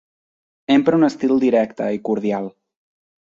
Empra un estil directe i cordial.